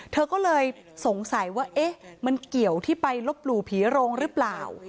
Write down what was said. เธอก็เลยสงสัยว่าเอ๊ะมันเกี่ยวที่ไปลบหลู่ผีโรงหรือเปล่า